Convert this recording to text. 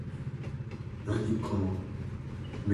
While working at Suzy's, Ava met Samantha Style, who was a customer.